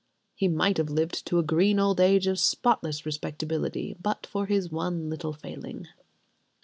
He might have lived to a green old age of spotless respectability but for his one little failing.